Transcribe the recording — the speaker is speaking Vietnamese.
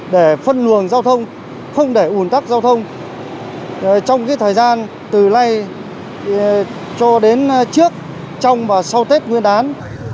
để phân luồng giao thông không để ủn tắc giao thông trong thời gian từ nay cho đến trước trong và sau tết nguyên đán